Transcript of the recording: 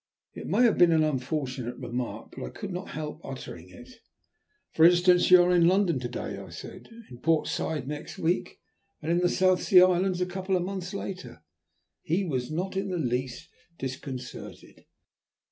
It may have been an unfortunate remark, but I could not help uttering it. "For instance, you are in London to day," I said, "in Port Said next week, and in the South Sea Islands a couple of months later." He was not in the least disconcerted.